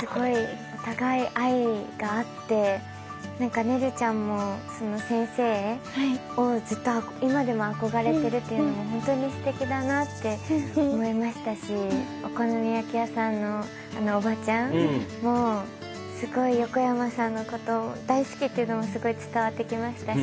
すごいお互い愛があって何かねるちゃんも先生をずっと今でも憧れてるっていうのも本当にすてきだなって思いましたしお好み焼き屋さんのあのおばちゃんもすごい横山さんのこと大好きっていうのもすごい伝わってきましたし。